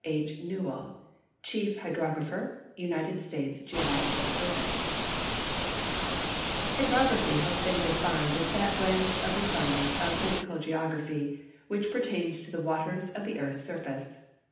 PI. Newell, Chief Ilydeographer, United States Geological Survey Hydrograph}' has been defined as that branch of the science of i)hysical geograjdiy which ])ertains to the waters of the earth's surface.